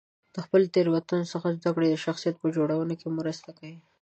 د خپلو تېروتنو څخه زده کړه د شخصیت په جوړونه کې مرسته کوي.